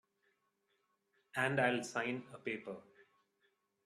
And I'll sign a paper.